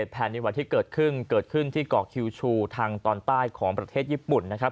แผ่นดินไหวที่เกิดขึ้นเกิดขึ้นที่เกาะคิวชูทางตอนใต้ของประเทศญี่ปุ่นนะครับ